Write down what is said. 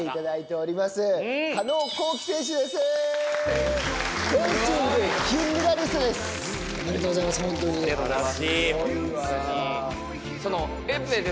ありがとうございます。